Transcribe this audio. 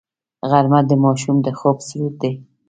غرمه د ماشوم د خوب سرود دی